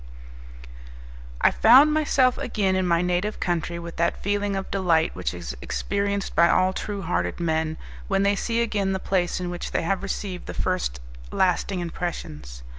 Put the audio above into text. I found myself again in my native country with that feeling of delight which is experienced by all true hearted men, when they see again the place in which they have received the first lasting impressions.